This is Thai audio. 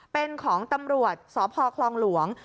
เป็นของตำรวจสพคลองหลวง